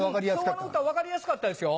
昭和の歌分かりやすかったですよ。